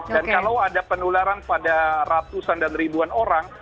dan kalau ada penularan pada ratusan dan ribuan orang